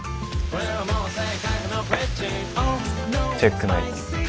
チェックメイト。